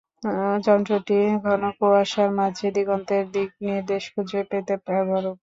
যন্ত্রটি ঘন কুয়াশার মাঝে দিগন্তের দিক নির্দেশ খুঁজে পেতে ব্যবহার হত।